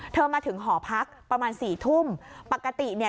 มาถึงหอพักประมาณสี่ทุ่มปกติเนี่ย